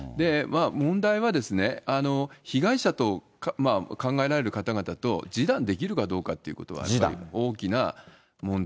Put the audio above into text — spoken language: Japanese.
問題はですね、被害者と考えられる方々と示談できるかどうかってことが、大きな問題。